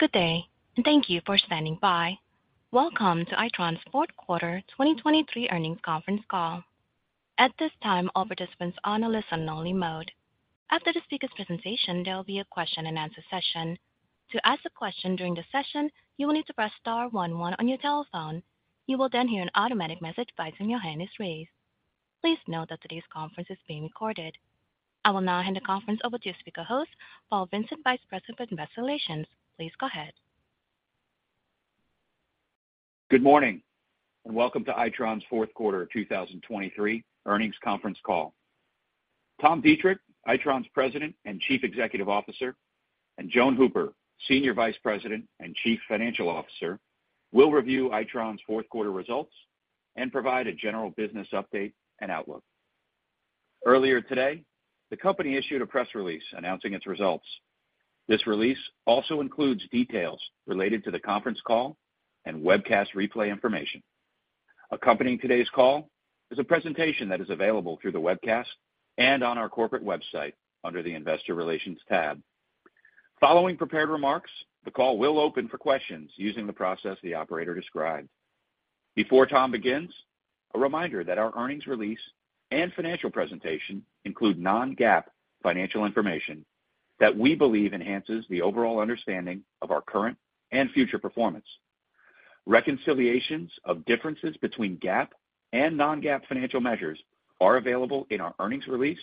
Good day, and thank you for standing by. Welcome to Itron's Fourth Quarter 2023 Earnings Conference Call. At this time, all participants are on a listen-only mode. After the speaker's presentation, there will be a question-and-answer session. To ask a question during the session, you will need to press star 11 on your telephone. You will then hear an automatic message advising your hand is raised. Please note that today's conference is being recorded. I will now hand the conference over to speaker host, Paul Vincent, Vice President for Investor Relations. Please go ahead. Good morning and welcome to Itron's Fourth Quarter 2023 Earnings Conference call. Tom Deitrich, Itron's President and Chief Executive Officer, and Joan Hooper, Senior Vice President and Chief Financial Officer, will review Itron's Fourth Quarter results and provide a general business update and outlook. Earlier today, the company issued a press release announcing its results. This release also includes details related to the conference call and webcast replay information. Accompanying today's call is a presentation that is available through the webcast and on our corporate website under the Investor Relations tab. Following prepared remarks, the call will open for questions using the process the operator described. Before Tom begins, a reminder that our earnings release and financial presentation include non-GAAP financial information that we believe enhances the overall understanding of our current and future performance. Reconciliations of differences between GAAP and non-GAAP financial measures are available in our earnings release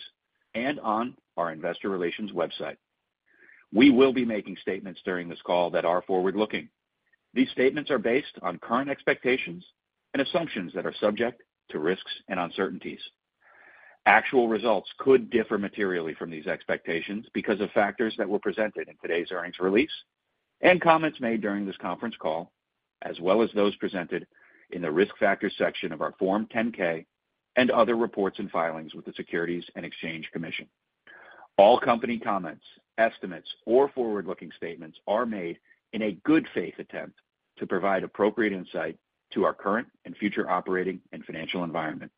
and on our Investor Relations website. We will be making statements during this call that are forward-looking. These statements are based on current expectations and assumptions that are subject to risks and uncertainties. Actual results could differ materially from these expectations because of factors that were presented in today's earnings release and comments made during this conference call, as well as those presented in the risk factors section of our Form 10-K and other reports and filings with the Securities and Exchange Commission. All company comments, estimates, or forward-looking statements are made in a good faith attempt to provide appropriate insight to our current and future operating and financial environment.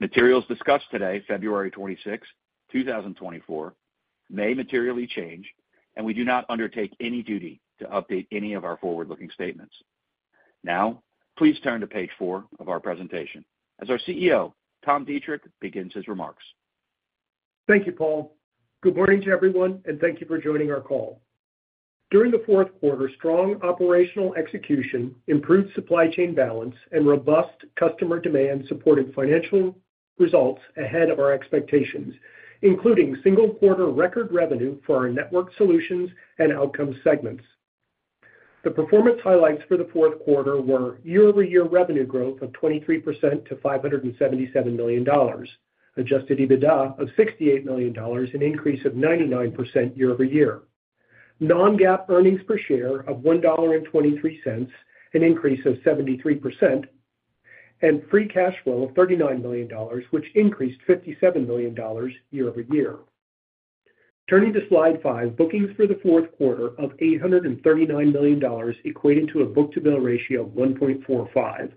Materials discussed today, February 26, 2024, may materially change, and we do not undertake any duty to update any of our forward-looking statements. Now, please turn to page four of our presentation as our CEO, Tom Deitrich, begins his remarks. Thank you, Paul. Good morning to everyone, and thank you for joining our call. During the fourth quarter, strong operational execution, improved supply chain balance, and robust customer demand supported financial results ahead of our expectations, including single quarter record revenue for our Network Solutions and Outcomes segments. The performance highlights for the fourth quarter were year-over-year revenue growth of 23% to $577 million, Adjusted EBITDA of $68 million, an increase of 99% year-over-year, Non-GAAP earnings per share of $1.23, an increase of 73%, and free cash flow of $39 million, which increased $57 million year-over-year. Turning to slide five, bookings for the fourth quarter of $839 million equated to a book-to-bill ratio of 1.45.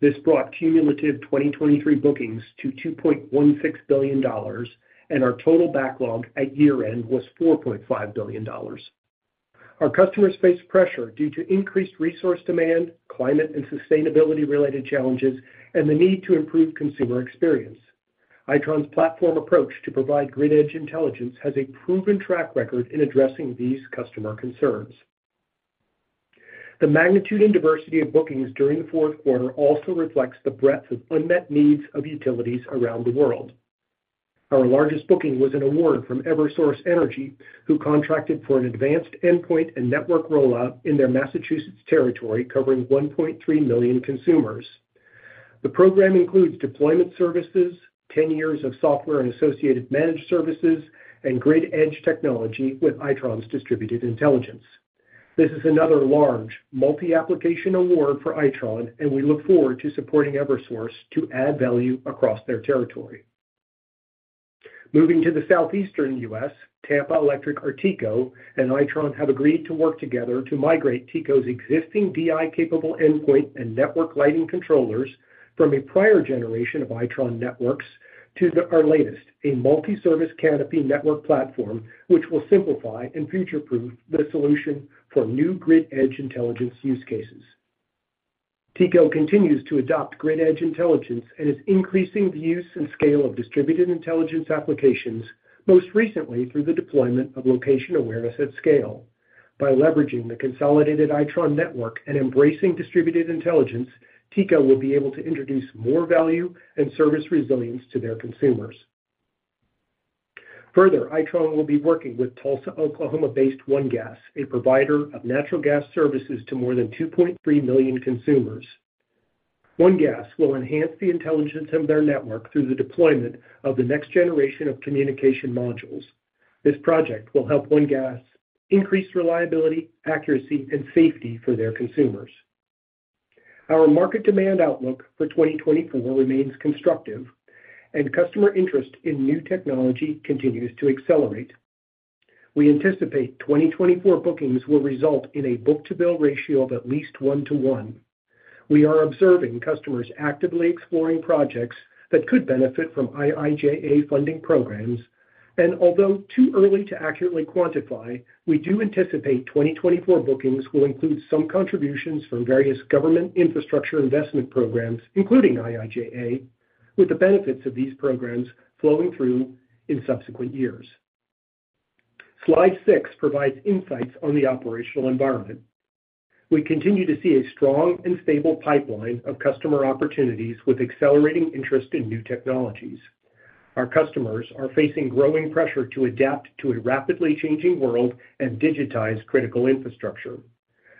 This brought cumulative 2023 bookings to $2.16 billion, and our total backlog at year-end was $4.5 billion. Our customers faced pressure due to increased resource demand, climate and sustainability-related challenges, and the need to improve consumer experience. Itron's platform approach to provide Grid Edge Intelligence has a proven track record in addressing these customer concerns. The magnitude and diversity of bookings during the fourth quarter also reflects the breadth of unmet needs of utilities around the world. Our largest booking was an award from Eversource Energy, who contracted for an advanced endpoint and network rollout in their Massachusetts territory covering 1.3 million consumers. The program includes deployment services, 10 years of software and associated managed services, and Grid Edge Technology with Itron's Distributed Intelligence. This is another large, multi-application award for Itron, and we look forward to supporting Eversource to add value across their territory. Moving to the southeastern U.S., Tampa Electric, TECO, and Itron have agreed to work together to migrate TECO's existing DI-capable endpoint and network lighting controllers from a prior generation of Itron Networks to our latest, a multi-service canopy network platform, which will simplify and future-proof the solution for new Grid Edge Intelligence use cases. TECO continues to adopt Grid Edge Intelligence and is increasing the use and scale of Distributed Intelligence applications, most recently through the deployment of location awareness at scale. By leveraging the consolidated Itron network and embracing Distributed Intelligence, TECO will be able to introduce more value and service resilience to their consumers. Further, Itron will be working with Tulsa, Oklahoma-based ONE Gas, a provider of natural gas services to more than 2.3 million consumers. ONE Gas will enhance the intelligence of their network through the deployment of the next generation of communication modules. This project will help ONE Gas increase reliability, accuracy, and safety for their consumers. Our market demand outlook for 2024 remains constructive, and customer interest in new technology continues to accelerate. We anticipate 2024 bookings will result in a book-to-bill ratio of at least 1:1. We are observing customers actively exploring projects that could benefit from IIJA funding programs, and although too early to accurately quantify, we do anticipate 2024 bookings will include some contributions from various government infrastructure investment programs, including IIJA, with the benefits of these programs flowing through in subsequent years. Slide 6 provides insights on the operational environment. We continue to see a strong and stable pipeline of customer opportunities with accelerating interest in new technologies. Our customers are facing growing pressure to adapt to a rapidly changing world and digitize critical infrastructure.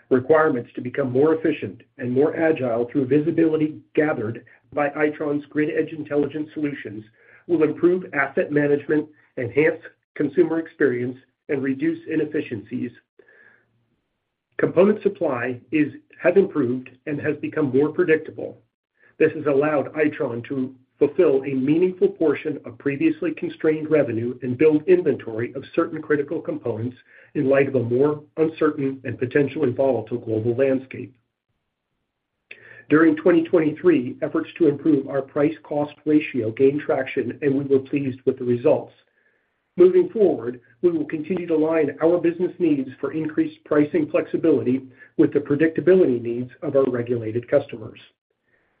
Requirements to become more efficient and more agile through visibility gathered by Itron's Grid Edge Intelligence solutions will improve asset management, enhance consumer experience, and reduce inefficiencies. Component supply has improved and has become more predictable. This has allowed Itron to fulfill a meaningful portion of previously constrained revenue and build inventory of certain critical components in light of a more uncertain and potentially volatile global landscape. During 2023, efforts to improve our price-cost ratio gained traction, and we were pleased with the results. Moving forward, we will continue to align our business needs for increased pricing flexibility with the predictability needs of our regulated customers.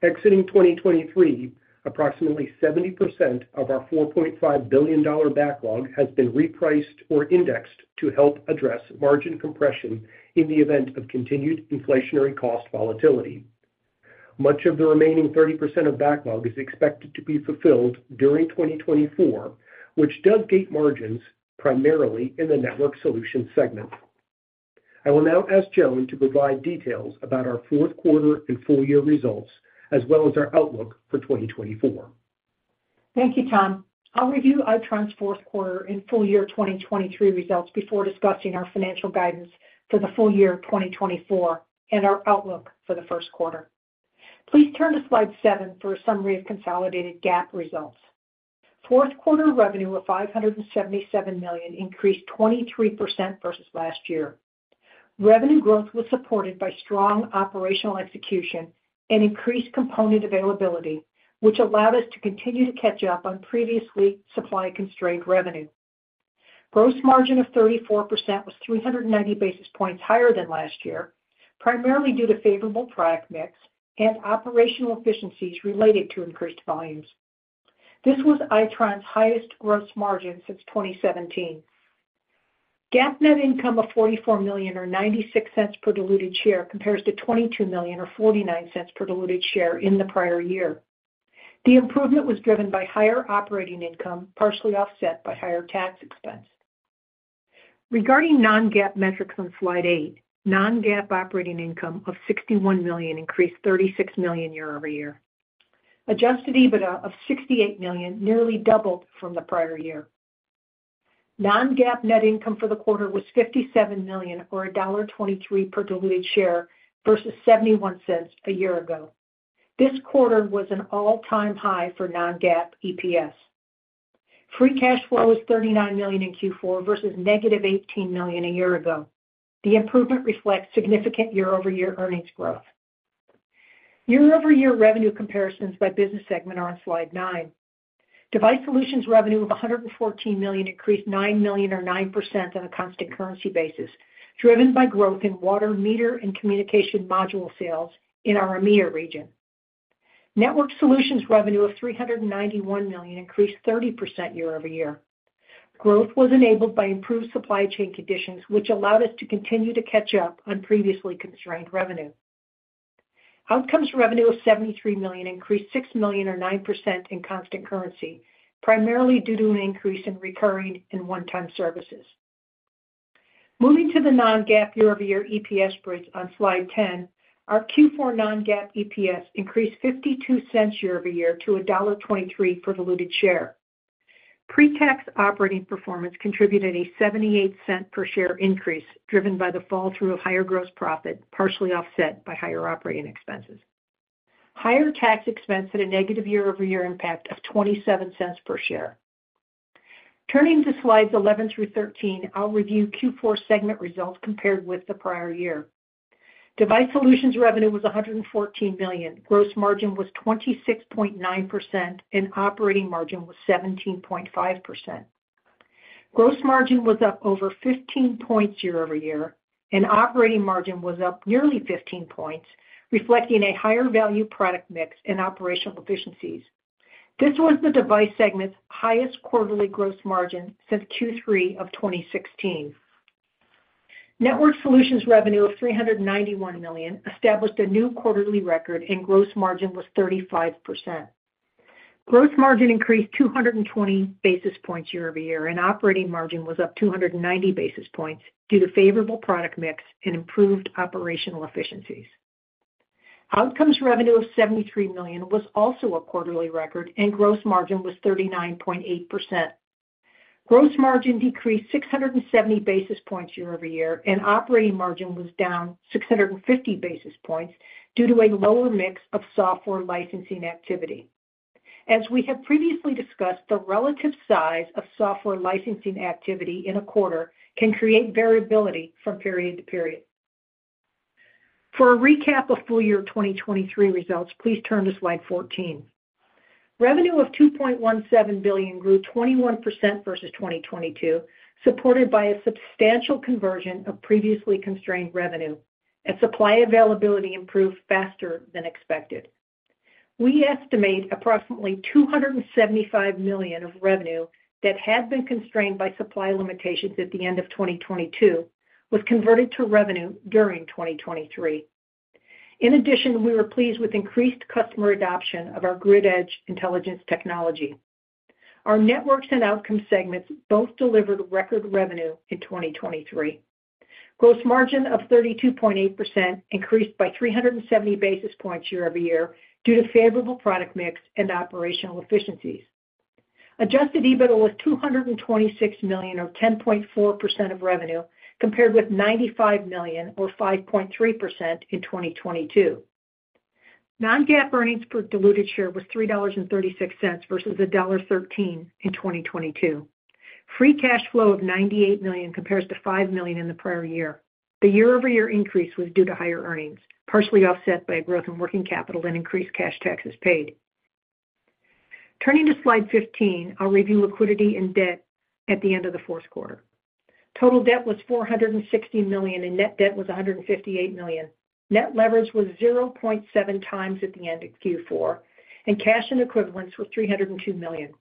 Exiting 2023, approximately 70% of our $4.5 billion backlog has been repriced or indexed to help address margin compression in the event of continued inflationary cost volatility. Much of the remaining 30% of backlog is expected to be fulfilled during 2024, which does gate margins primarily in the Network Solutions segment. I will now ask Joan to provide details about our fourth quarter and full-year results, as well as our outlook for 2024. Thank you, Tom. I'll review Itron's fourth quarter and full-year 2023 results before discussing our financial guidance for the full year 2024 and our outlook for the first quarter. Please turn to slide seven for a summary of consolidated GAAP results. Fourth quarter revenue of $577 million increased 23% versus last year. Revenue growth was supported by strong operational execution and increased component availability, which allowed us to continue to catch up on previously supply-constrained revenue. Gross margin of 34% was 390 basis points higher than last year, primarily due to favorable product mix and operational efficiencies related to increased volumes. This was Itron's highest gross margin since 2017. GAAP net income of $44.96 per diluted share compares to $22.49 per diluted share in the prior year. The improvement was driven by higher operating income, partially offset by higher tax expense. Regarding non-GAAP metrics on slide 8, non-GAAP operating income of $61 million increased $36 million year-over-year. Adjusted EBITDA of $68 million nearly doubled from the prior year. Non-GAAP net income for the quarter was $57 million or $1.23 per diluted share versus $0.71 a year ago. This quarter was an all-time high for non-GAAP EPS. Free cash flow was $39 million in Q4 versus -$18 million a year ago. The improvement reflects significant year-over-year earnings growth. Year-over-year revenue comparisons by business segment are on slide 9. Device Solutions revenue of $114 million increased $9 million or 9% on a constant currency basis, driven by growth in water, meter, and communication module sales in our EMEA region. Network Solutions revenue of $391 million increased 30% year-over-year. Growth was enabled by improved supply chain conditions, which allowed us to continue to catch up on previously constrained revenue. Outcomes revenue of $73 million increased $6 million or 9% in constant currency, primarily due to an increase in recurring and one-time services. Moving to the non-GAAP year-over-year EPS spreads on slide 10, our Q4 non-GAAP EPS increased $0.52 year-over-year to $1.23 per diluted share. Pre-tax operating performance contributed a $0.78 per share increase driven by the flow-through of higher gross profit, partially offset by higher operating expenses. Higher tax expense had a negative year-over-year impact of $0.27 per share. Turning to slides 11 through 13, I'll review Q4 segment results compared with the prior year. Device Solutions revenue was $114 million. Gross margin was 26.9%, and operating margin was 17.5%. Gross margin was up over 15 points year-over-year, and operating margin was up nearly 15 points, reflecting a higher value product mix and operational efficiencies. This was the Device segment's highest quarterly gross margin since Q3 of 2016. Network Solutions revenue of $391 million established a new quarterly record, and gross margin was 35%. Gross margin increased 220 basis points year-over-year, and operating margin was up 290 basis points due to favorable product mix and improved operational efficiencies. Outcomes revenue of $73 million was also a quarterly record, and gross margin was 39.8%. Gross margin decreased 670 basis points year-over-year, and operating margin was down 650 basis points due to a lower mix of software licensing activity. As we have previously discussed, the relative size of software licensing activity in a quarter can create variability from period to period. For a recap of full-year 2023 results, please turn to slide 14. Revenue of $2.17 billion grew 21% versus 2022, supported by a substantial conversion of previously constrained revenue, and supply availability improved faster than expected. We estimate approximately $275 million of revenue that had been constrained by supply limitations at the end of 2022 was converted to revenue during 2023. In addition, we were pleased with increased customer adoption of our Grid Edge Intelligence technology. Our Networks and outcome segments both delivered record revenue in 2023. Gross margin of 32.8% increased by 370 basis points year-over-year due to favorable product mix and operational efficiencies. Adjusted EBITDA was $226 million or 10.4% of revenue, compared with $95 million or 5.3% in 2022. Non-GAAP earnings per diluted share was $3.36 versus $1.13 in 2022. Free Cash Flow of $98 million compares to $5 million in the prior year. The year-over-year increase was due to higher earnings, partially offset by growth in working capital and increased cash taxes paid. Turning to slide 15, I'll review liquidity and debt at the end of the fourth quarter. Total debt was $460 million, and net debt was $158 million. Net leverage was 0.7 times at the end of Q4, and cash and equivalents were $302 million.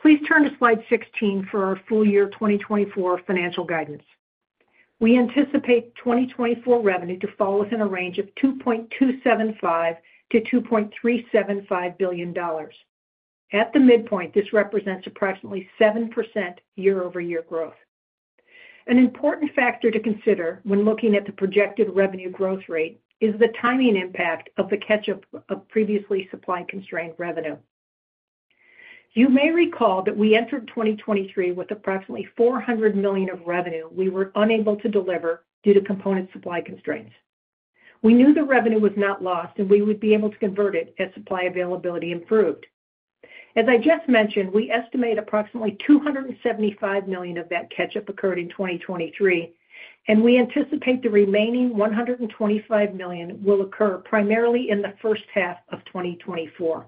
Please turn to slide 16 for our full-year 2024 financial guidance. We anticipate 2024 revenue to fall within a range of $2.275-$2.375 billion. At the midpoint, this represents approximately 7% year-over-year growth. An important factor to consider when looking at the projected revenue growth rate is the timing impact of the catch-up of previously supply-constrained revenue. You may recall that we entered 2023 with approximately $400 million of revenue we were unable to deliver due to component supply constraints. We knew the revenue was not lost, and we would be able to convert it as supply availability improved. As I just mentioned, we estimate approximately $275 million of that catch-up occurred in 2023, and we anticipate the remaining $125 million will occur primarily in the first half of 2024.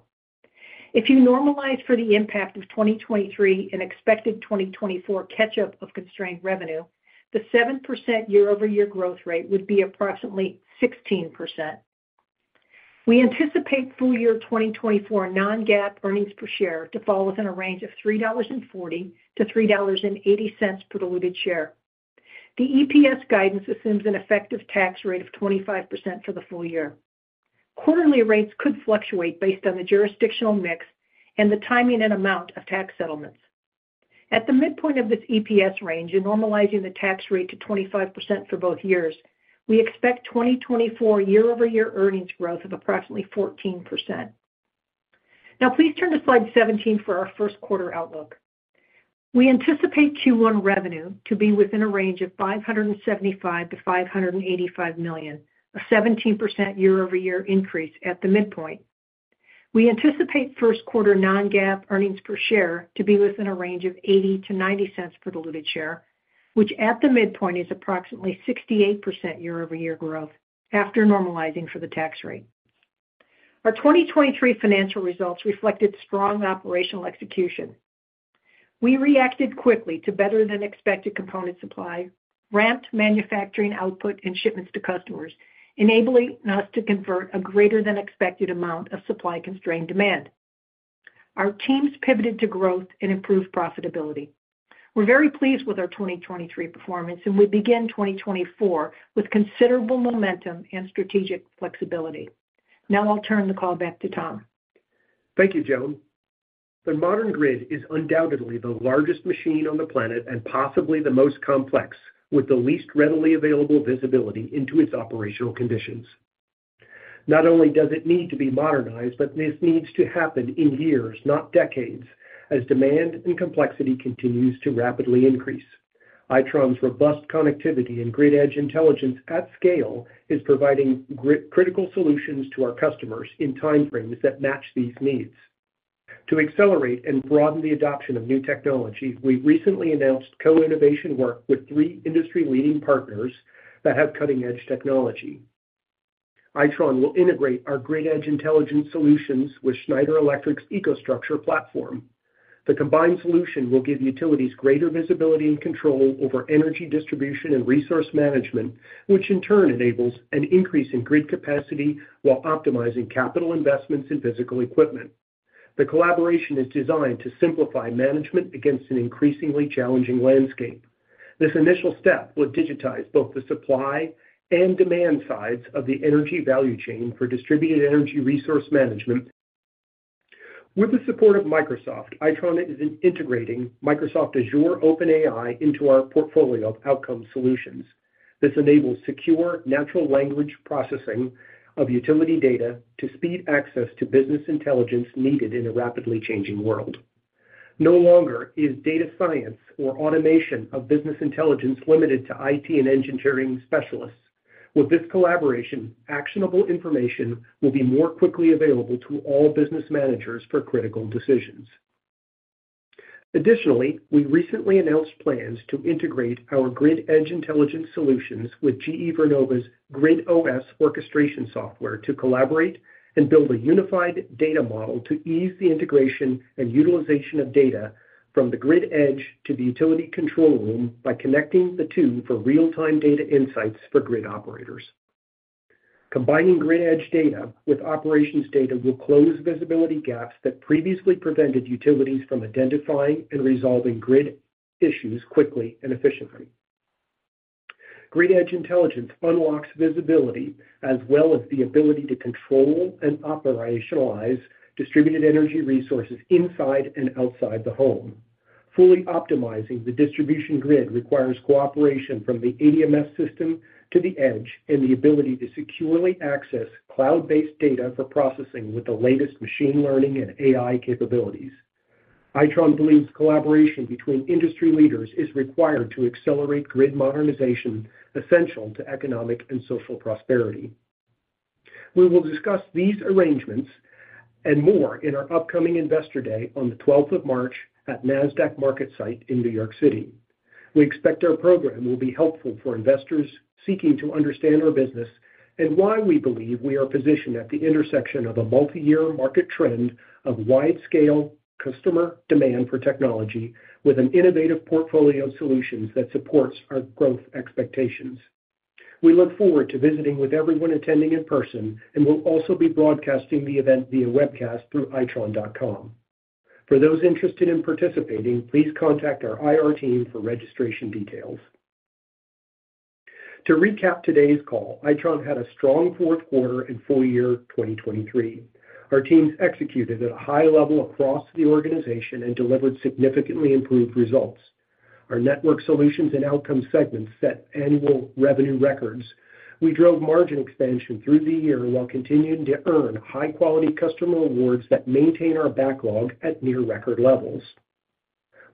If you normalize for the impact of 2023 and expected 2024 catch-up of constrained revenue, the 7% year-over-year growth rate would be approximately 16%. We anticipate full-year 2024 Non-GAAP earnings per share to fall within a range of $3.40-$3.80 per diluted share. The EPS guidance assumes an effective tax rate of 25% for the full year. Quarterly rates could fluctuate based on the jurisdictional mix and the timing and amount of tax settlements. At the midpoint of this EPS range and normalizing the tax rate to 25% for both years, we expect 2024 year-over-year earnings growth of approximately 14%. Now, please turn to slide 17 for our first quarter outlook. We anticipate Q1 revenue to be within a range of $575 million-$585 million, a 17% year-over-year increase at the midpoint. We anticipate first quarter non-GAAP earnings per share to be within a range of $0.80-$0.90 per diluted share, which at the midpoint is approximately 68% year-over-year growth after normalizing for the tax rate. Our 2023 financial results reflected strong operational execution. We reacted quickly to better-than-expected component supply, ramped manufacturing output and shipments to customers, enabling us to convert a greater-than-expected amount of supply-constrained demand. Our teams pivoted to growth and improved profitability. We're very pleased with our 2023 performance, and we begin 2024 with considerable momentum and strategic flexibility. Now, I'll turn the call back to Tom. Thank you, Joan. The modern grid is undoubtedly the largest machine on the planet and possibly the most complex, with the least readily available visibility into its operational conditions. Not only does it need to be modernized, but this needs to happen in years, not decades, as demand and complexity continues to rapidly increase. Itron's robust connectivity and Grid Edge Intelligence at scale is providing critical solutions to our customers in timeframes that match these needs. To accelerate and broaden the adoption of new technology, we recently announced co-innovation work with three industry-leading partners that have cutting-edge technology. Itron will integrate our Grid Edge Intelligence solutions with Schneider Electric's EcoStruxure platform. The combined solution will give utilities greater visibility and control over energy distribution and resource management, which in turn enables an increase in grid capacity while optimizing capital investments in physical equipment. The collaboration is designed to simplify management against an increasingly challenging landscape. This initial step will digitize both the supply and demand sides of the energy value chain for distributed energy resource management. With the support of Microsoft, Itron is integrating Microsoft Azure OpenAI into our portfolio of outcome solutions. This enables secure natural language processing of utility data to speed access to business intelligence needed in a rapidly changing world. No longer is data science or automation of business intelligence limited to IT and engineering specialists. With this collaboration, actionable information will be more quickly available to all business managers for critical decisions. Additionally, we recently announced plans to integrate our Grid Edge Intelligence solutions with GE Vernova's GridOS orchestration software to collaborate and build a unified data model to ease the integration and utilization of data from the Grid Edge to the utility control room by connecting the two for real-time data insights for grid operators. Combining Grid Edge data with operations data will close visibility gaps that previously prevented utilities from identifying and resolving grid issues quickly and efficiently. Grid Edge Intelligence unlocks visibility as well as the ability to control and operationalize Distributed Energy Resources inside and outside the home. Fully optimizing the distribution grid requires cooperation from the ADMS system to the edge and the ability to securely access cloud-based data for processing with the latest machine learning and AI capabilities. Itron believes collaboration between industry leaders is required to accelerate grid modernization essential to economic and social prosperity. We will discuss these arrangements and more in our upcoming Investor Day on the 12th of March at NASDAQ MarketSite in New York City. We expect our program will be helpful for investors seeking to understand our business and why we believe we are positioned at the intersection of a multi-year market trend of wide-scale customer demand for technology with an innovative portfolio of solutions that supports our growth expectations. We look forward to visiting with everyone attending in person, and we'll also be broadcasting the event via webcast through Itron.com. For those interested in participating, please contact our IR team for registration details. To recap today's call, Itron had a strong fourth quarter and full year 2023. Our teams executed at a high level across the organization and delivered significantly improved results. Our Network Solutions and Outcomes segments set annual revenue records. We drove margin expansion through the year while continuing to earn high-quality customer rewards that maintain our backlog at near-record levels.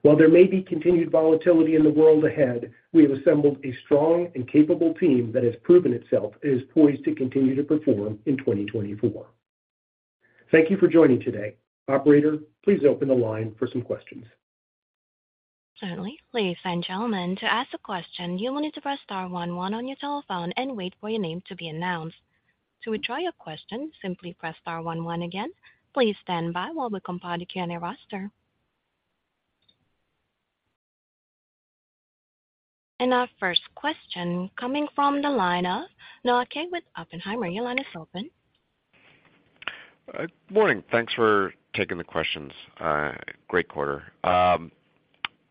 While there may be continued volatility in the world ahead, we have assembled a strong and capable team that has proven itself is poised to continue to perform in 2024. Thank you for joining today. Operator, please open the line for some questions. Certainly. Ladies and gentlemen, to ask a question, you will need to press star 11 on your telephone and wait for your name to be announced. To retry your question, simply press star 11 again. Please stand by while we compile the Q&A roster. Our first question coming from the line of Noah Kaye with Oppenheimer. Your line is open. Good morning. Thanks for taking the questions. Great quarter.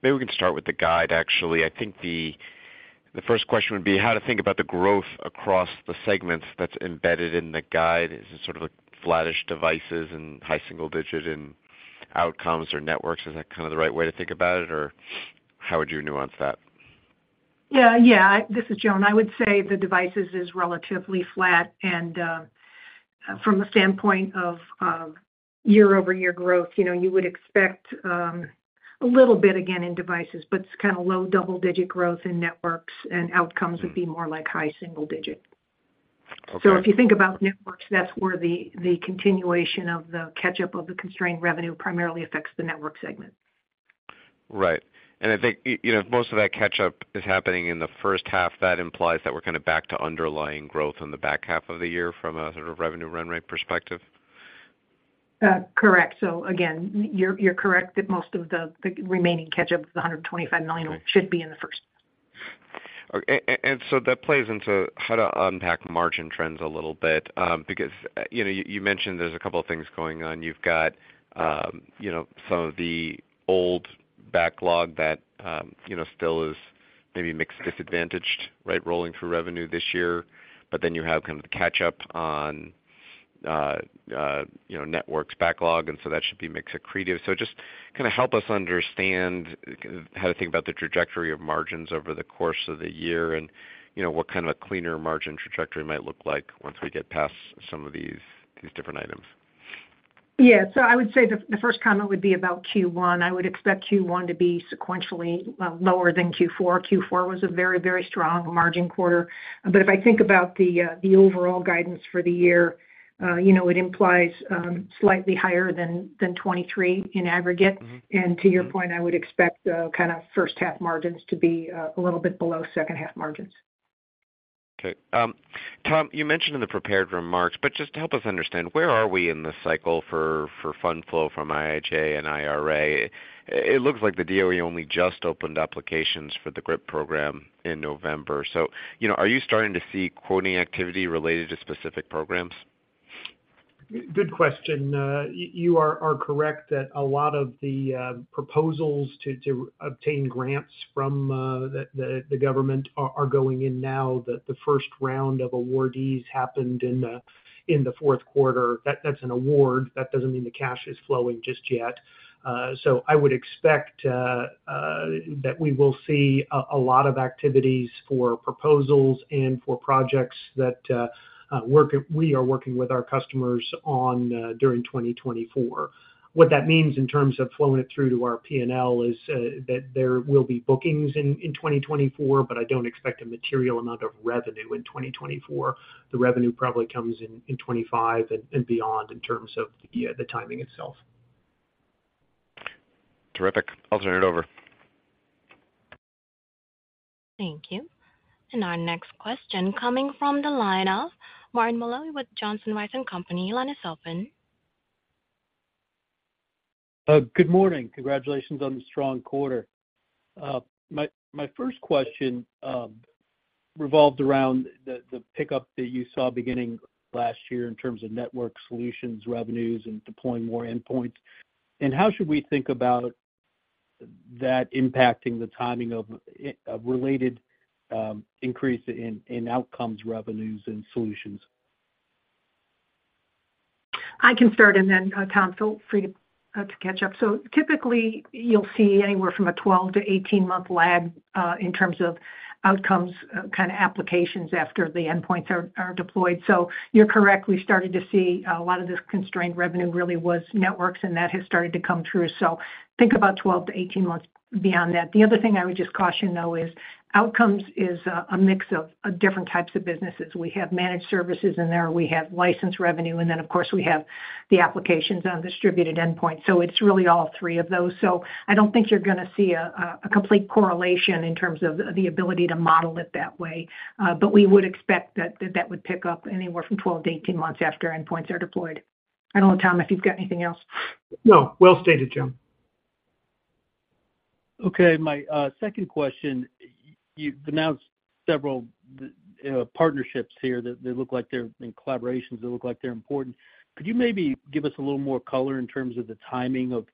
Maybe we can start with the guide, actually. I think the first question would be how to think about the growth across the segments that's embedded in the guide. Is it sort of flat-ish devices and high single-digit and Outcomes or Networks? Is that kind of the right way to think about it, or how would you nuance that? Yeah. Yeah. This is Joan. I would say the devices is relatively flat. And from a standpoint of year-over-year growth, you would expect a little bit again in devices, but it's kind of low double-digit growth in Networks, and Outcomes would be more like high single-digit. So if you think about Networks, that's where the continuation of the catch-up of the constrained revenue primarily affects the network segment. Right. I think if most of that catch-up is happening in the first half, that implies that we're kind of back to underlying growth in the back half of the year from a sort of revenue run-rate perspective? Correct. So again, you're correct that most of the remaining catch-up of the $125 million should be in the first half. So that plays into how to unpack margin trends a little bit because you mentioned there's a couple of things going on. You've got some of the old backlog that still is maybe mix disadvantaged, right, rolling through revenue this year. But then you have kind of the catch-up on Networks backlog, and so that should be mix accretive. So just kind of help us understand how to think about the trajectory of margins over the course of the year and what kind of a cleaner margin trajectory might look like once we get past some of these different items? Yeah. I would say the first comment would be about Q1. I would expect Q1 to be sequentially lower than Q4. Q4 was a very, very strong margin quarter. If I think about the overall guidance for the year, it implies slightly higher than 2023 in aggregate. To your point, I would expect kind of first-half margins to be a little bit below second-half margins. Okay. Tom, you mentioned in the prepared remarks, but just to help us understand, where are we in the cycle for fund flow from IIJA and IRA? It looks like the DOE only just opened applications for the GRIP program in November. So are you starting to see quoting activity related to specific programs? Good question. You are correct that a lot of the proposals to obtain grants from the government are going in now. The first round of awardees happened in the fourth quarter. That's an award. That doesn't mean the cash is flowing just yet. So I would expect that we will see a lot of activities for proposals and for projects that we are working with our customers on during 2024. What that means in terms of flowing it through to our P&L is that there will be bookings in 2024, but I don't expect a material amount of revenue in 2024. The revenue probably comes in 2025 and beyond in terms of the timing itself. Terrific. I'll turn it over. Thank you. Our next question coming from the line of Martin Malloy with Johnson Rice & Company. Your line is open. Good morning. Congratulations on the strong quarter. My first question revolved around the pickup that you saw beginning last year in terms of network solutions, revenues, and deploying more endpoints. How should we think about that impacting the timing of related increase in Outcomes, revenues, and solutions? I can start, and then Tom, feel free to catch up. So typically, you'll see anywhere from a 12-18-month lag in terms of Outcomes kind of applications after the endpoints are deployed. So you're correct. We started to see a lot of this constrained revenue really was Networks, and that has started to come through. So think about 12-18 months beyond that. The other thing I would just caution though is Outcomes is a mix of different types of businesses. We have managed services in there. We have license revenue. And then, of course, we have the applications on distributed endpoints. So it's really all three of those. So I don't think you're going to see a complete correlation in terms of the ability to model it that way. But we would expect that that would pick up anywhere from 12-18 months after endpoints are deployed. I don't know, Tom, if you've got anything else. No. Well-stated, Joan. Okay. My second question, you've announced several partnerships here that look like they're in collaborations that look like they're important. Could you maybe give us a little more color in terms of the timing of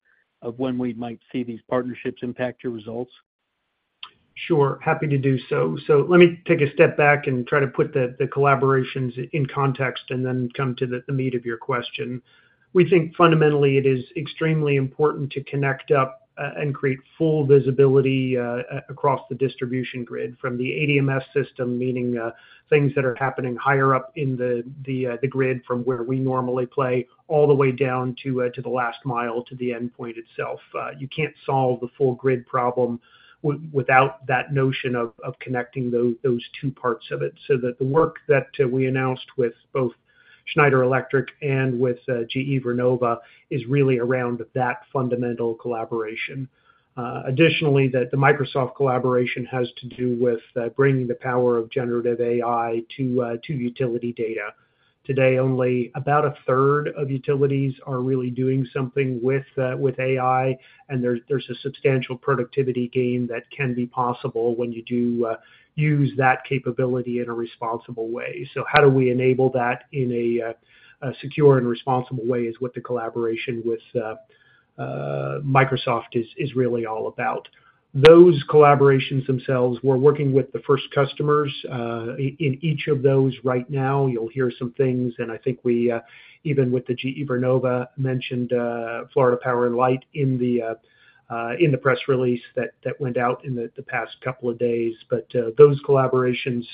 when we might see these partnerships impact your results? Sure. Happy to do so. So let me take a step back and try to put the collaborations in context and then come to the meat of your question. We think fundamentally, it is extremely important to connect up and create full visibility across the distribution grid from the ADMS system, meaning things that are happening higher up in the grid from where we normally play all the way down to the last mile to the endpoint itself. You can't solve the full grid problem without that notion of connecting those two parts of it. So the work that we announced with both Schneider Electric and with GE Vernova is really around that fundamental collaboration. Additionally, the Microsoft collaboration has to do with bringing the power of generative AI to utility data. Today, only about a third of utilities are really doing something with AI, and there's a substantial productivity gain that can be possible when you do use that capability in a responsible way. So how do we enable that in a secure and responsible way is what the collaboration with Microsoft is really all about. Those collaborations themselves, we're working with the first customers in each of those right now. You'll hear some things. And I think we, even with the GE Vernova, mentioned Florida Power and Light in the press release that went out in the past couple of days. But those collaborations,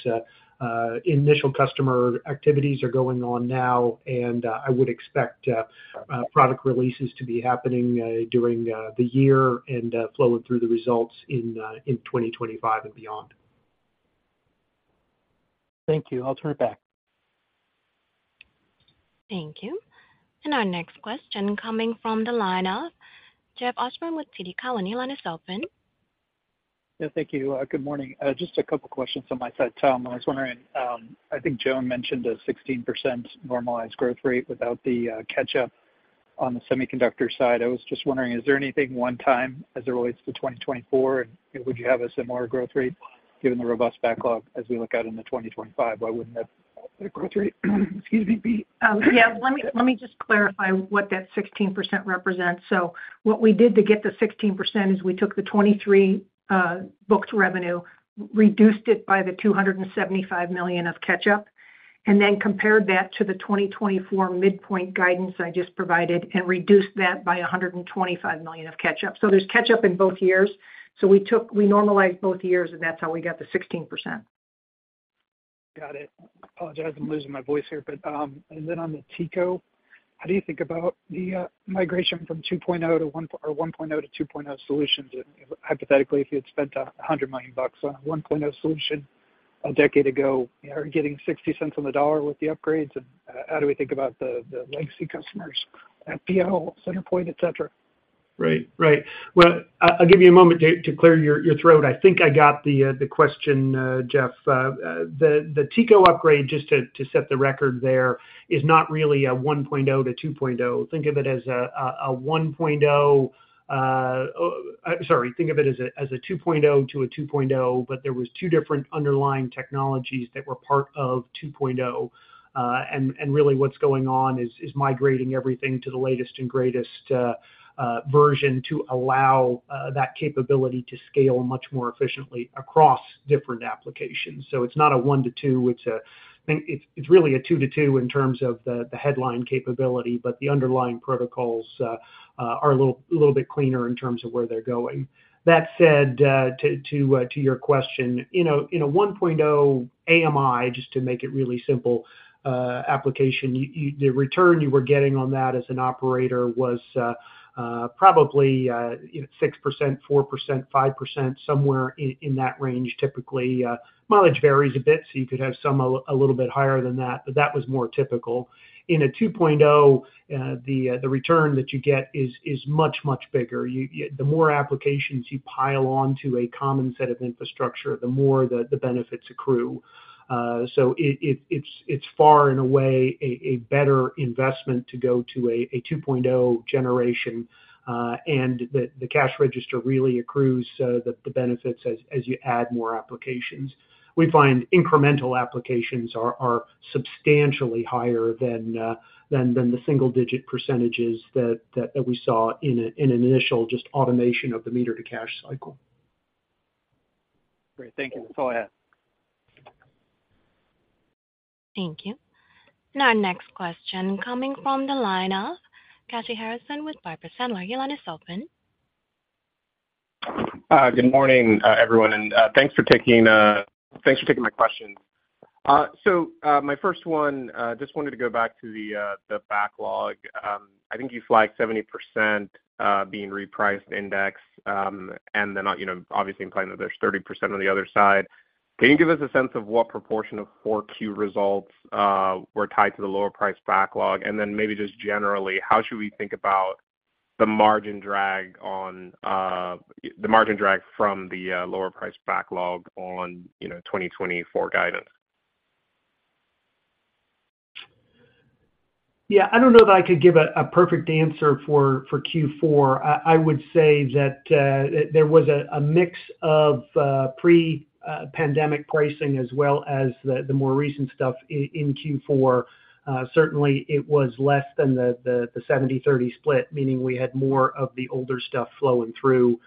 initial customer activities are going on now, and I would expect product releases to be happening during the year and flowing through the results in 2025 and beyond. Thank you. I'll turn it back. Thank you. And our next question coming from the line of Jeff Osborne with TD Cowen. Your line is open. Yeah. Thank you. Good morning. Just a couple of questions on my side, Tom. I was wondering, I think Joan mentioned a 16% normalized growth rate without the catch-up on the semiconductor side. I was just wondering, is there anything one-time as it relates to 2024, and would you have a similar growth rate given the robust backlog as we look out into 2025? Why wouldn't that be a growth rate? Excuse me, Pete. Yeah. Let me just clarify what that 16% represents. So what we did to get the 16% is we took the 2023 booked revenue, reduced it by the $275 million of catch-up, and then compared that to the 2024 midpoint guidance I just provided and reduced that by $125 million of catch-up. So there's catch-up in both years. So we normalized both years, and that's how we got the 16%. Got it. I apologize. I'm losing my voice here. And then on the TECO, how do you think about the migration from 2.0 to or 1.0-2.0 solutions? Hypothetically, if you had spent $100 million on a 1.0 solution a decade ago, are you getting 60 cents on the dollar with the upgrades? And how do we think about the legacy customers, FPL, CenterPoint, etc.? Right. Right. Well, I'll give you a moment to clear your throat. I think I got the question, Jeff. The TECO upgrade, just to set the record there, is not really a 1.0-2.0. Think of it as a 1.0, sorry, think of it as a 2.0 to a 2.0, but there were 2 different underlying technologies that were part of 2.0. And really, what's going on is migrating everything to the latest and greatest version to allow that capability to scale much more efficiently across different applications. So it's not a 1-2. It's really a 2-2 in terms of the headline capability, but the underlying protocols are a little bit cleaner in terms of where they're going. That said, to your question, in a 1.0 AMI, just to make it really simple, application, the return you were getting on that as an operator was probably 6%, 4%, 5%, somewhere in that range typically. Mileage varies a bit, so you could have some a little bit higher than that, but that was more typical. In a 2.0, the return that you get is much, much bigger. The more applications you pile onto a common set of infrastructure, the more the benefits accrue. So it's far, in a way, a better investment to go to a 2.0 generation. And the cash register really accrues the benefits as you add more applications. We find incremental applications are substantially higher than the single-digit percentages that we saw in an initial just automation of the meter-to-cash cycle. Great. Thank you. That's all I had. Thank you. Our next question coming from the line of Kashy Harrison with Piper Sandler. Your line is open. Good morning, everyone. Thanks for taking my questions. My first one, I just wanted to go back to the backlog. I think you flagged 70% being repriced index and then obviously implying that there's 30% on the other side. Can you give us a sense of what proportion of 4Q results were tied to the lower-priced backlog? And then maybe just generally, how should we think about the margin drag from the lower-priced backlog on 2024 guidance? Yeah. I don't know that I could give a perfect answer for Q4. I would say that there was a mix of pre-pandemic pricing as well as the more recent stuff in Q4. Certainly, it was less than the 70/30 split, meaning we had more of the older stuff flowing through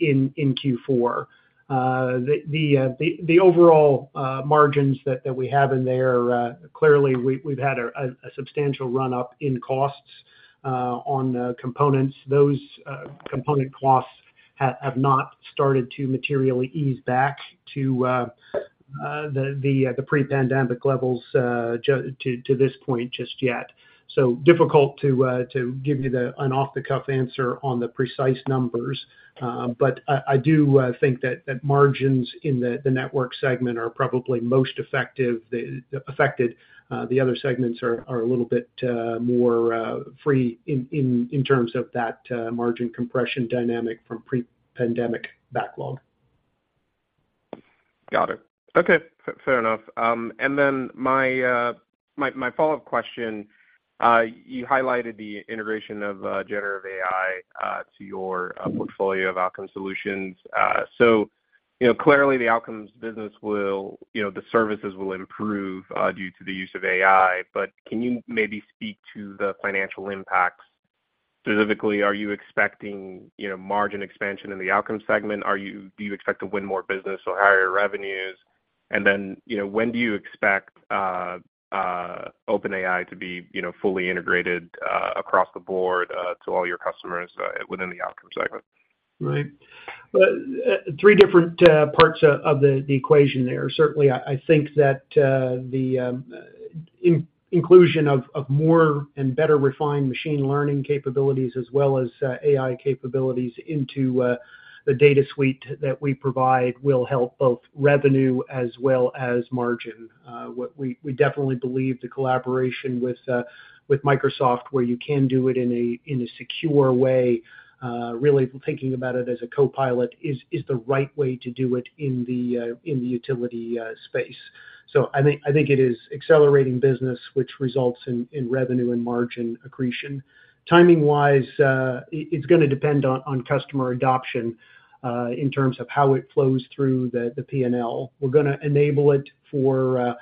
in Q4. The overall margins that we have in there, clearly, we've had a substantial run-up in costs on components. Those component costs have not started to materially ease back to the pre-pandemic levels to this point just yet. So, difficult to give you an off-the-cuff answer on the precise numbers. But I do think that margins in the network segment are probably most affected. The other segments are a little bit more free in terms of that margin compression dynamic from pre-pandemic backlog. Got it. Okay. Fair enough. And then my follow-up question, you highlighted the integration of generative AI to your portfolio of outcome solutions. So clearly, the Outcomes business will, the services will improve due to the use of AI. But can you maybe speak to the financial impacts? Specifically, are you expecting margin expansion in the Outcomes segment? Do you expect to win more business or higher revenues? And then when do you expect OpenAI to be fully integrated across the board to all your customers within the Outcomes segment? Right. Well, three different parts of the equation there. Certainly, I think that the inclusion of more and better refined machine learning capabilities as well as AI capabilities into the data suite that we provide will help both revenue as well as margin. We definitely believe the collaboration with Microsoft, where you can do it in a secure way, really thinking about it as a Copilot, is the right way to do it in the utility space. So I think it is accelerating business, which results in revenue and margin accretion. Timing-wise, it's going to depend on customer adoption in terms of how it flows through the P&L. We're going to enable it for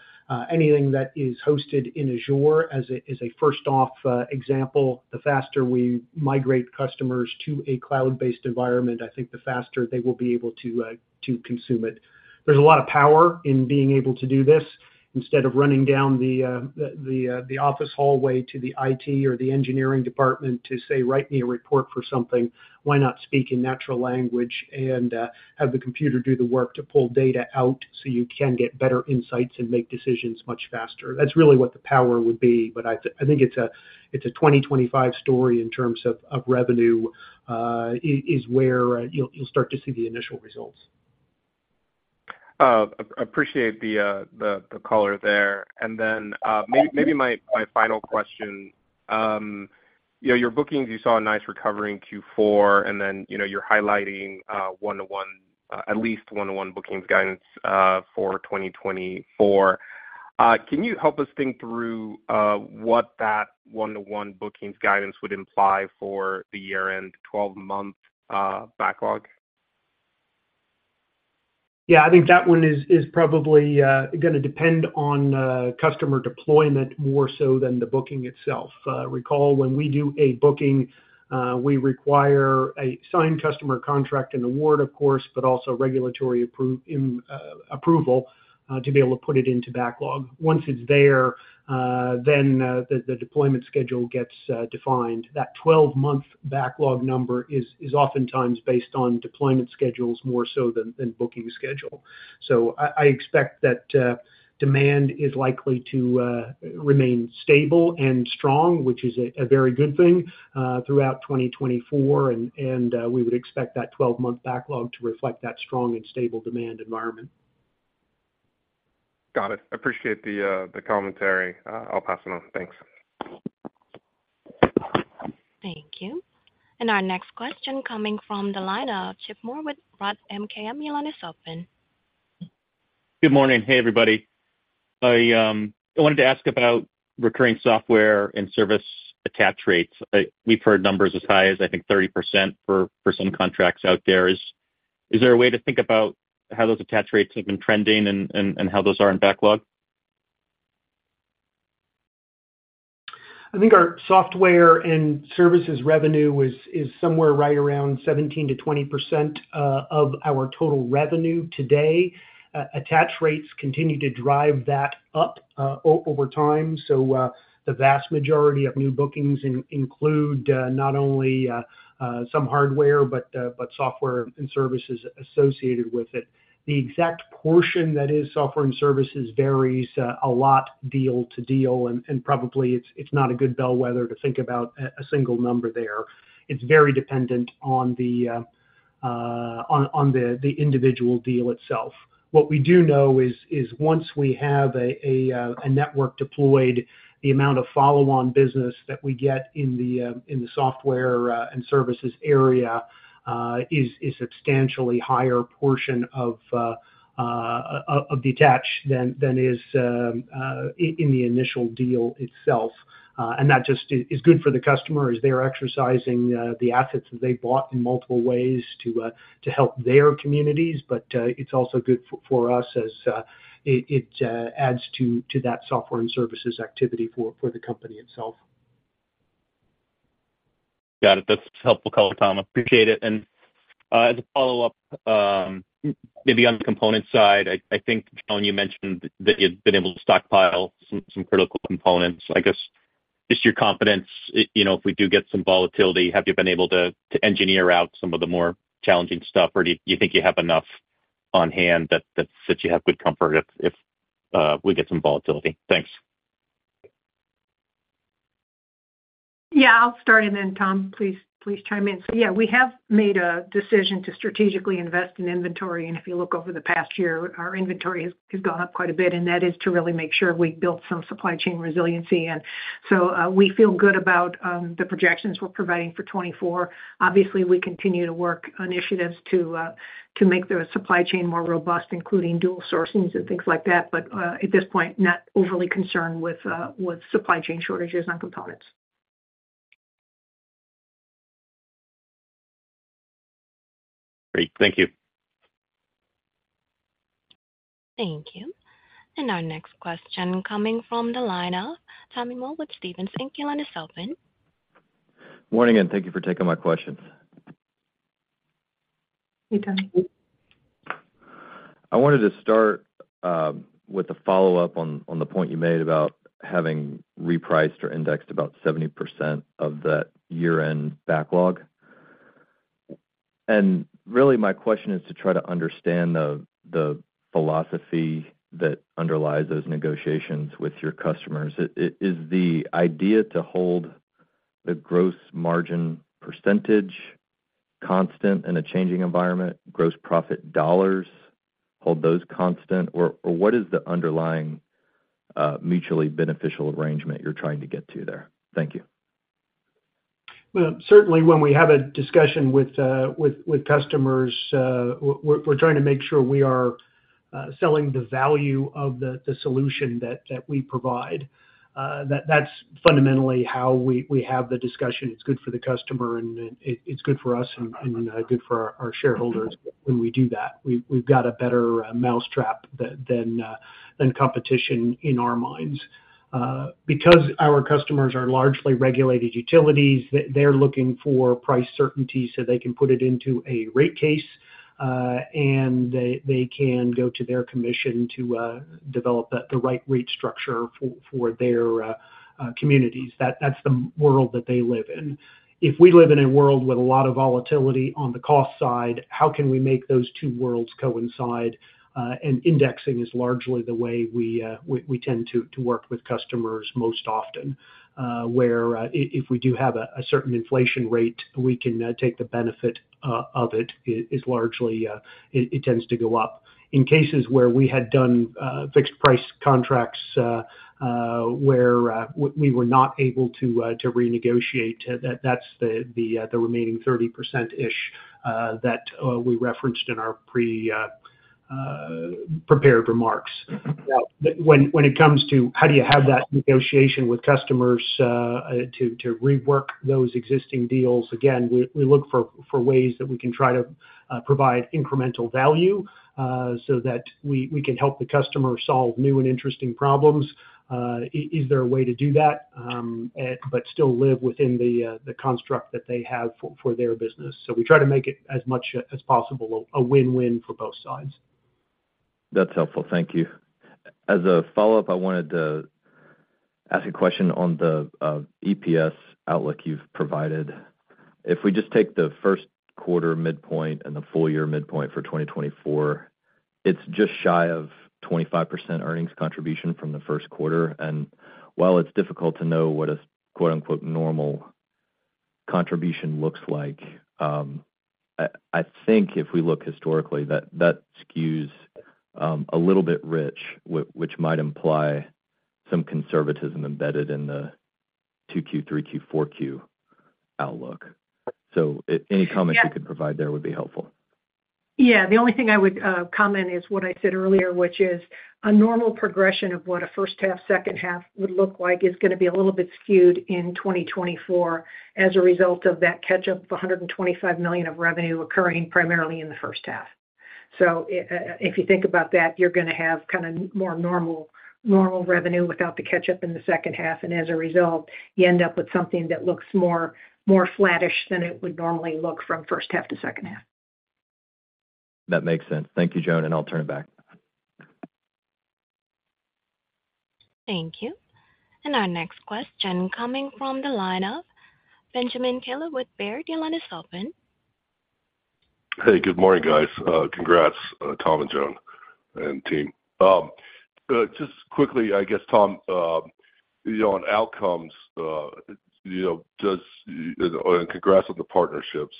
anything that is hosted in Azure. As a first-off example, the faster we migrate customers to a cloud-based environment, I think the faster they will be able to consume it. There's a lot of power in being able to do this. Instead of running down the office hallway to the IT or the engineering department to say, "Write me a report for something," why not speak in natural language and have the computer do the work to pull data out so you can get better insights and make decisions much faster? That's really what the power would be. But I think it's a 2025 story in terms of revenue is where you'll start to see the initial results. Appreciate the caller there. Then maybe my final question. Your bookings, you saw a nice recovery in Q4, and then you're highlighting 1-to-1, at least 1-to-1 bookings guidance for 2024. Can you help us think through what that 1-to-1 bookings guidance would imply for the year-end 12-month backlog? Yeah. I think that one is probably going to depend on customer deployment more so than the booking itself. Recall, when we do a booking, we require a signed customer contract and award, of course, but also regulatory approval to be able to put it into backlog. Once it's there, then the deployment schedule gets defined. That 12-month backlog number is oftentimes based on deployment schedules more so than booking schedule. So I expect that demand is likely to remain stable and strong, which is a very good thing throughout 2024. And we would expect that 12-month backlog to reflect that strong and stable demand environment. Got it. Appreciate the commentary. I'll pass it on. Thanks. Thank you. And our next question coming from the line of Chip Moore with Roth MKM. Your line is open. Good morning. Hey, everybody. I wanted to ask about recurring software and service attach rates. We've heard numbers as high as, I think, 30% for some contracts out there. Is there a way to think about how those attach rates have been trending and how those are in backlog? I think our software and services revenue is somewhere right around 17%-20% of our total revenue today. Attach rates continue to drive that up over time. So the vast majority of new bookings include not only some hardware but software and services associated with it. The exact portion that is software and services varies a lot deal to deal, and probably it's not a good bellwether to think about a single number there. It's very dependent on the individual deal itself. What we do know is once we have a network deployed, the amount of follow-on business that we get in the software and services area is a substantially higher portion of the attach than it is in the initial deal itself. And that just is good for the customer as they're exercising the assets that they've bought in multiple ways to help their communities. But it's also good for us as it adds to that software and services activity for the company itself. Got it. That's helpful color, Tom. Appreciate it. And as a follow-up, maybe on the component side, I think, Joan, you mentioned that you've been able to stockpile some critical components. I guess just your confidence, if we do get some volatility, have you been able to engineer out some of the more challenging stuff, or do you think you have enough on hand that you have good comfort if we get some volatility? Thanks. Yeah. I'll start, and then, Tom, please chime in. So yeah, we have made a decision to strategically invest in inventory. If you look over the past year, our inventory has gone up quite a bit, and that is to really make sure we've built some supply chain resiliency. We feel good about the projections we're providing for 2024. Obviously, we continue to work on initiatives to make the supply chain more robust, including dual sourcings and things like that, but at this point, not overly concerned with supply chain shortages on components. Great. Thank you. Thank you. Our next question coming from the line of Tommy Moll with Stephens Inc. is open. Morning, and thank you for taking my questions. Hey, Tommy. I wanted to start with a follow-up on the point you made about having repriced or indexed about 70% of that year-end backlog. Really, my question is to try to understand the philosophy that underlies those negotiations with your customers. Is the idea to hold the gross margin percentage constant in a changing environment, gross profit dollars, hold those constant, or what is the underlying mutually beneficial arrangement you're trying to get to there? Thank you. Well, certainly, when we have a discussion with customers, we're trying to make sure we are selling the value of the solution that we provide. That's fundamentally how we have the discussion. It's good for the customer, and it's good for us and good for our shareholders when we do that. We've got a better mousetrap than competition in our minds. Because our customers are largely regulated utilities, they're looking for price certainty so they can put it into a rate case, and they can go to their commission to develop the right rate structure for their communities. That's the world that they live in. If we live in a world with a lot of volatility on the cost side, how can we make those two worlds coincide? Indexing is largely the way we tend to work with customers most often, where if we do have a certain inflation rate, we can take the benefit of it. It tends to go up. In cases where we had done fixed-price contracts where we were not able to renegotiate, that's the remaining 30%-ish that we referenced in our pre-prepared remarks. Now, when it comes to how do you have that negotiation with customers to rework those existing deals? Again, we look for ways that we can try to provide incremental value so that we can help the customer solve new and interesting problems. Is there a way to do that but still live within the construct that they have for their business? So we try to make it as much as possible a win-win for both sides. That's helpful. Thank you. As a follow-up, I wanted to ask a question on the EPS outlook you've provided. If we just take the first quarter midpoint and the full-year midpoint for 2024, it's just shy of 25% earnings contribution from the first quarter. While it's difficult to know what a "normal" contribution looks like, I think if we look historically, that skews a little bit rich, which might imply some conservatism embedded in the 2Q, 3Q, 4Q outlook. So any comments you could provide there would be helpful. Yeah. The only thing I would comment is what I said earlier, which is a normal progression of what a first-half, second-half would look like is going to be a little bit skewed in 2024 as a result of that catch-up of $125 million of revenue occurring primarily in the first half. So if you think about that, you're going to have kind of more normal revenue without the catch-up in the second half. And as a result, you end up with something that looks more flatish than it would normally look from first-half to second-half. That makes sense. Thank you, Joan, and I'll turn it back. Thank you. Our next question coming from the line of Ben Kallo with Baird. Your line is open. Hey. Good morning, guys. Congrats, Tom and Joan and team. Just quickly, I guess, Tom, on Outcomes, and congrats on the partnerships.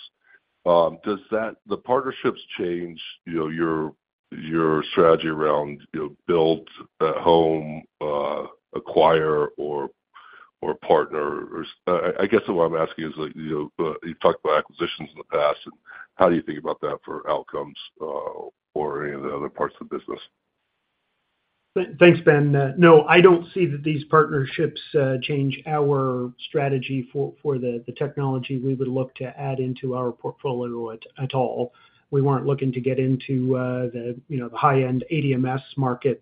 Does the partnerships change your strategy around build at home, acquire, or partner? I guess what I'm asking is you've talked about acquisitions in the past, and how do you think about that for Outcomes or any of the other parts of the business? Thanks, Ben. No, I don't see that these partnerships change our strategy for the technology we would look to add into our portfolio at all. We weren't looking to get into the high-end ADMS market.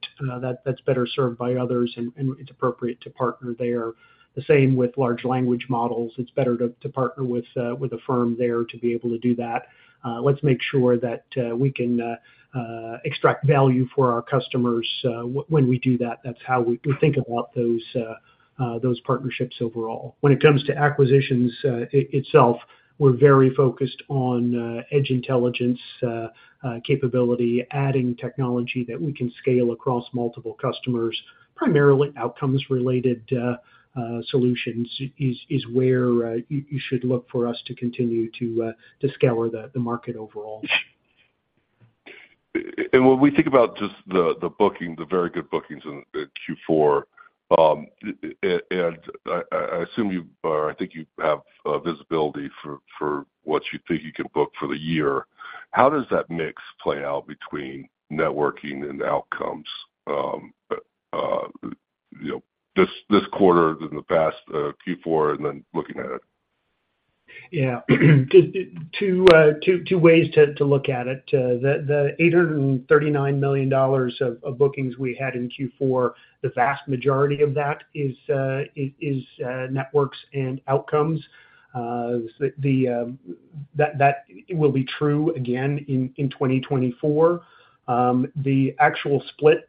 That's better served by others, and it's appropriate to partner there. The same with large language models. It's better to partner with a firm there to be able to do that. Let's make sure that we can extract value for our customers. When we do that, that's how we think about those partnerships overall. When it comes to acquisitions itself, we're very focused on edge intelligence capability, adding technology that we can scale across multiple customers. Primarily, Outcomes-related solutions is where you should look for us to continue to scour the market overall. When we think about just the booking, the very good bookings in Q4, and I assume you, or I think you, have visibility for what you think you can book for the year, how does that mix play out between networking and Outcomes this quarter than the past Q4 and then looking at it? Yeah. Two ways to look at it. The $839 million of bookings we had in Q4, the vast majority of that is Networks and Outcomes. That will be true again in 2024. The actual split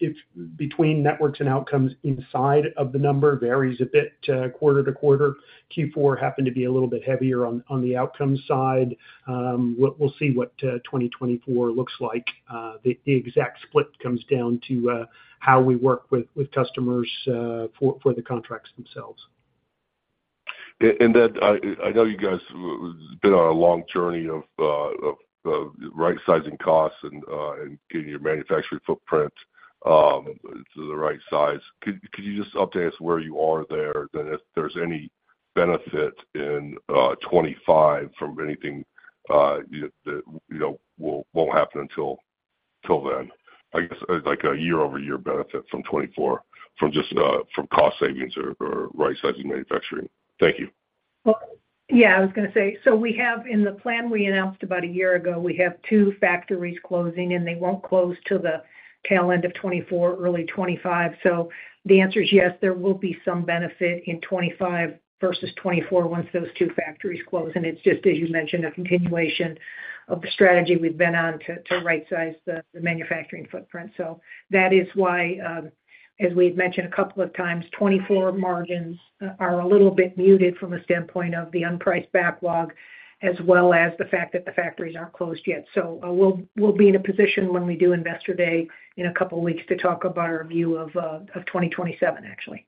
between Networks and Outcomes inside of the number varies a bit quarter to quarter. Q4 happened to be a little bit heavier on the Outcomes side. We'll see what 2024 looks like. The exact split comes down to how we work with customers for the contracts themselves. I know you guys have been on a long journey of right-sizing costs and getting your manufacturing footprint to the right size. Could you just update us where you are there? Then if there's any benefit in 2025 from anything that won't happen until then, I guess, like a year-over-year benefit from 2024 from just cost savings or right-sizing manufacturing? Thank you. Yeah. I was going to say, so in the plan we announced about a year ago, we have two factories closing, and they won't close till the tail end of 2024, early 2025. So the answer is yes, there will be some benefit in 2025 versus 2024 once those two factories close. And it's just, as you mentioned, a continuation of the strategy we've been on to right-size the manufacturing footprint. So that is why, as we had mentioned a couple of times, 2024 margins are a little bit muted from a standpoint of the unpriced backlog as well as the fact that the factories aren't closed yet. So we'll be in a position when we do Investor Day in a couple of weeks to talk about our view of 2027, actually.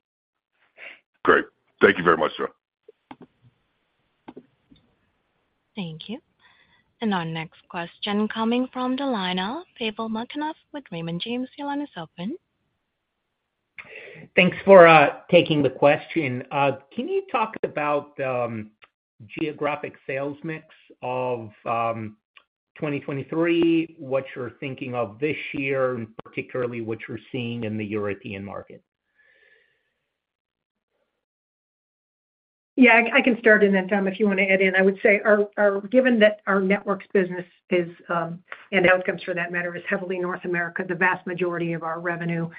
Great. Thank you very much, Joan. Thank you. Our next question coming from the line of Pavel Molchanov with Raymond James. Your line is open. Thanks for taking the question. Can you talk about the geographic sales mix of 2023, what you're thinking of this year, and particularly what you're seeing in the European market? Yeah. I can start in that, Tom, if you want to add in. I would say, given that our networks business is and Outcomes, for that matter, is heavily North America, the vast majority of our revenue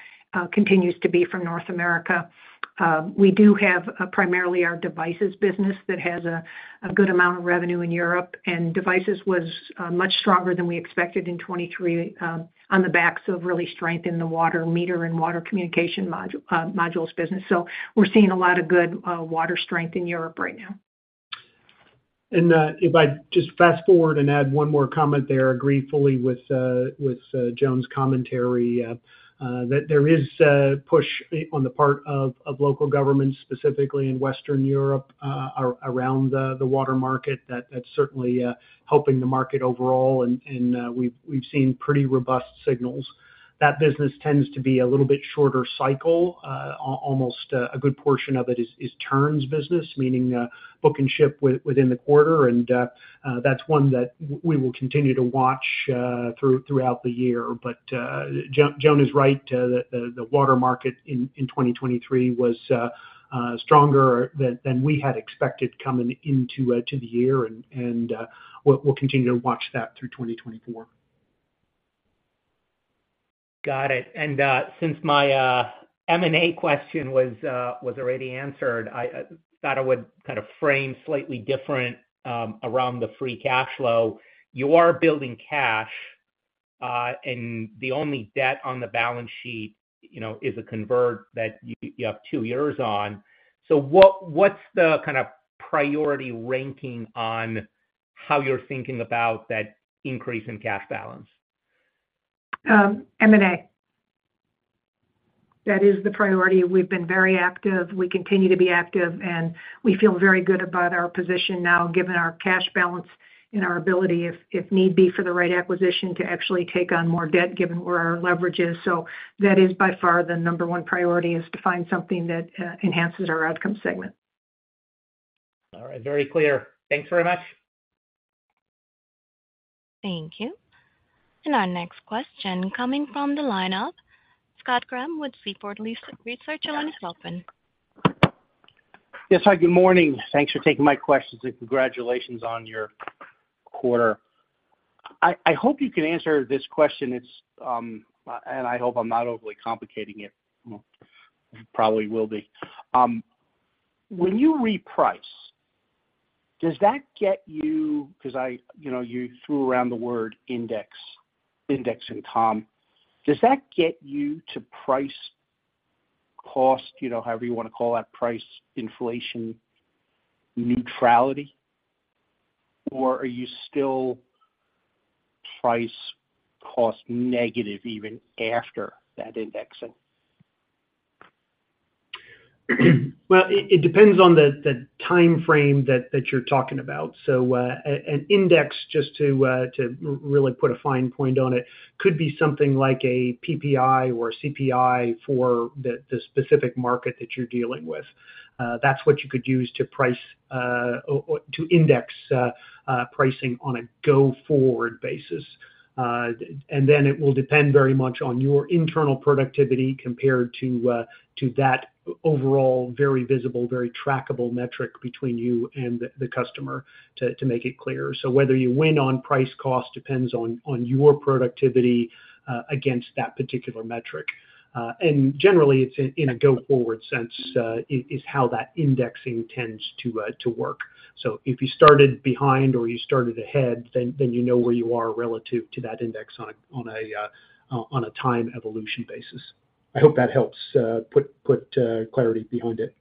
continues to be from North America. We do have primarily our devices business that has a good amount of revenue in Europe, and devices was much stronger than we expected in 2023 on the backs of really strengthening the water meter and water communication modules business. So we're seeing a lot of good water strength in Europe right now. If I just fast-forward and add one more comment there, agree fully with Joan's commentary, that there is push on the part of local governments, specifically in Western Europe, around the water market that's certainly helping the market overall. We've seen pretty robust signals. That business tends to be a little bit shorter cycle. Almost a good portion of it is turns business, meaning book and ship within the quarter. That's one that we will continue to watch throughout the year. But Joan is right. The water market in 2023 was stronger than we had expected coming into the year, and we'll continue to watch that through 2024. Got it. And since my M&A question was already answered, I thought I would kind of frame slightly different around the free cash flow. You are building cash, and the only debt on the balance sheet is a convert that you have two years on. So what's the kind of priority ranking on how you're thinking about that increase in cash balance? M&A. That is the priority. We've been very active. We continue to be active, and we feel very good about our position now given our cash balance and our ability, if need be, for the right acquisition to actually take on more debt given where our leverage is. So that is by far the number one priority, is to find something that enhances our Outcomes segment. All right. Very clear. Thanks very much. Thank you. Our next question coming from the line of Scott Graham with Seaport Research Partners. Your line is open. Yes, hi. Good morning. Thanks for taking my questions and congratulations on your quarter. I hope you can answer this question, and I hope I'm not overly complicating it. Probably will be. When you reprice, does that get you because you threw around the word indexing, Tom? Does that get you to price cost, however you want to call that, price inflation neutrality? Or are you still price cost negative even after that indexing? Well, it depends on the timeframe that you're talking about. So an index, just to really put a fine point on it, could be something like a PPI or a CPI for the specific market that you're dealing with. That's what you could use to index pricing on a go-forward basis. And then it will depend very much on your internal productivity compared to that overall very visible, very trackable metric between you and the customer to make it clear. So whether you win on price cost depends on your productivity against that particular metric. And generally, it's in a go-forward sense is how that indexing tends to work. So if you started behind or you started ahead, then you know where you are relative to that index on a time evolution basis. I hope that helps put clarity behind it.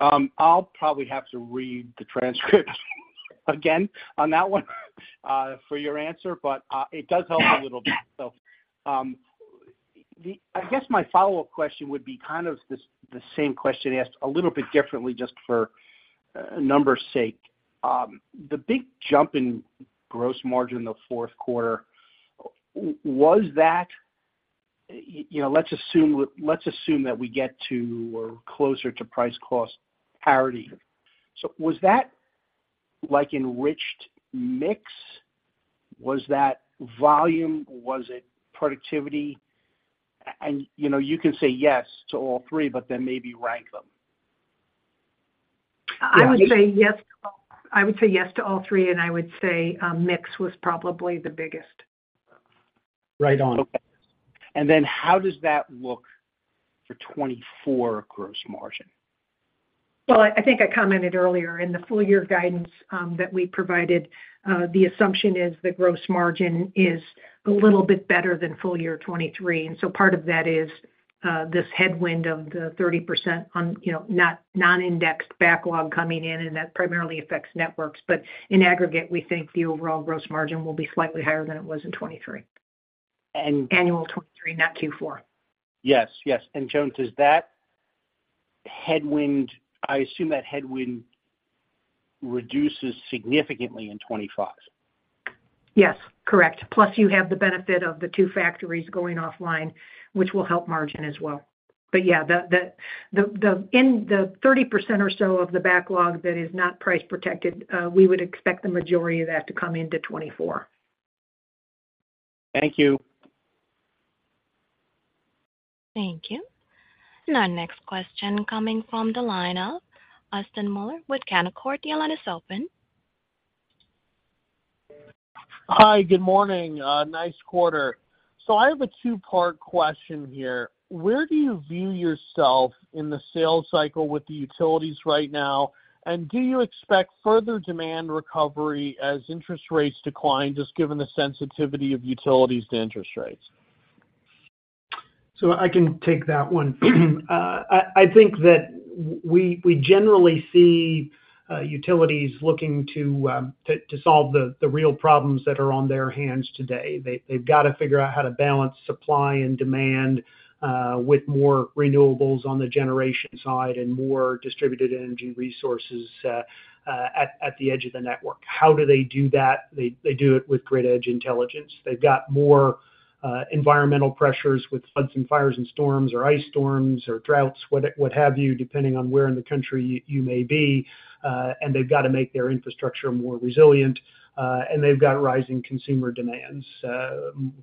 I'll probably have to read the transcript again on that one for your answer, but it does help a little bit. So I guess my follow-up question would be kind of the same question asked a little bit differently just for number's sake. The big jump in gross margin the fourth quarter, was that—let's assume that we get to or closer to price cost parity. So was that like enriched mix? Was that volume? Was it productivity? And you can say yes to all three, but then maybe rank them. I would say yes to all three, and I would say mix was probably the biggest. Right on. Okay. And then how does that look for 2024 gross margin? Well, I think I commented earlier. In the full-year guidance that we provided, the assumption is the gross margin is a little bit better than full-year 2023. And so part of that is this headwind of the 30% non-indexed backlog coming in, and that primarily affects networks. But in aggregate, we think the overall gross margin will be slightly higher than it was in 2023, annual 2023, not Q4. Yes. Yes. And Joan, does that headwind, I assume, that headwind reduces significantly in 2025? Yes. Correct. Plus, you have the benefit of the two factories going offline, which will help margin as well. But yeah, in the 30% or so of the backlog that is not price protected, we would expect the majority of that to come into 2024. Thank you. Thank you. Our next question coming from the line of Austin Moeller with Canaccord. Your line is open. Hi. Good morning. Nice quarter. So I have a two-part question here. Where do you view yourself in the sales cycle with the utilities right now? And do you expect further demand recovery as interest rates decline, just given the sensitivity of utilities to interest rates? So I can take that one. I think that we generally see utilities looking to solve the real problems that are on their hands today. They've got to figure out how to balance supply and demand with more renewables on the generation side and more Distributed Energy Resources at the edge of the network. How do they do that? They do it with Grid Edge Intelligence. They've got more environmental pressures with floods and fires and storms or ice storms or droughts, what have you, depending on where in the country you may be. And they've got to make their infrastructure more resilient. And they've got rising consumer demands.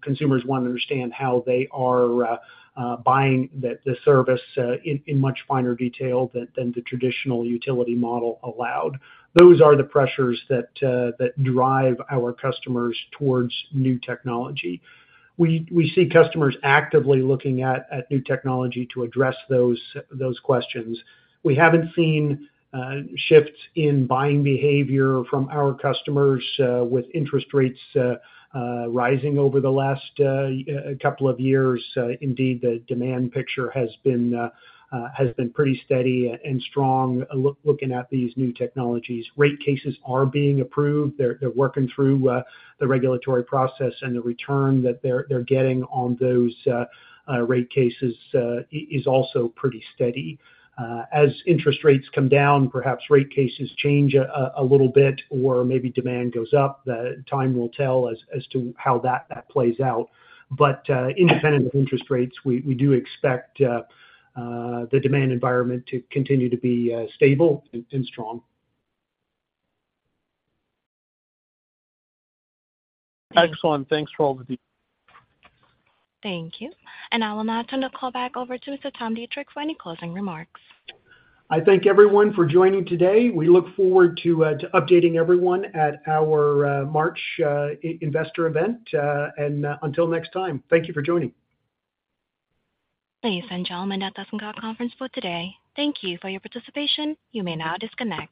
Consumers want to understand how they are buying the service in much finer detail than the traditional utility model allowed. Those are the pressures that drive our customers towards new technology. We see customers actively looking at new technology to address those questions. We haven't seen shifts in buying behavior from our customers with interest rates rising over the last couple of years. Indeed, the demand picture has been pretty steady and strong looking at these new technologies. Rate cases are being approved. They're working through the regulatory process, and the return that they're getting on those rate cases is also pretty steady. As interest rates come down, perhaps rate cases change a little bit or maybe demand goes up. Time will tell as to how that plays out. But independent of interest rates, we do expect the demand environment to continue to be stable and strong. Excellent. Thanks, Tom. Thank you. And I'll now turn the call back over to Mr. Tom Deitrich for any closing remarks. I thank everyone for joining today. We look forward to updating everyone at our March investor event. Until next time, thank you for joining. Please. And now, this concludes the conference for today. Thank you for your participation. You may now disconnect.